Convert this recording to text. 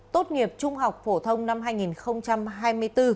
tốt nghiệp trung học phổ thông năm hai nghìn hai mươi bốn